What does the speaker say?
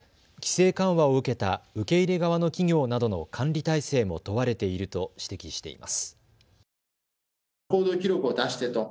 そのうえで規制緩和を受けた受け入れ側の企業などの管理体制も問われていると指摘しています。